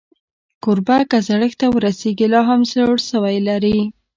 کوربه که زړښت ته ورسېږي، لا هم زړهسوی لري.